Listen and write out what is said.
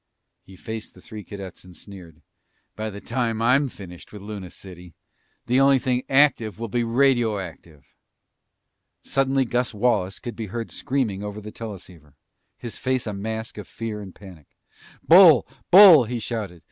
He faced the three cadets and sneered. "By the time I'm finished with Luna City, the only thing active will be radioactive!" Suddenly Gus Wallace could be heard screaming over the teleceiver, his face a mask of fear and panic. "Bull! Bull!" he shouted.